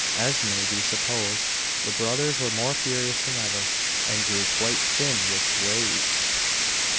As may be supposed, the brothers were more furious than ever, and grew quite thin with rage.